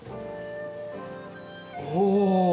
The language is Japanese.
おお！